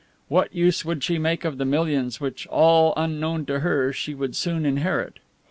What use would she make of the millions which, all unknown to her, she would soon inherit?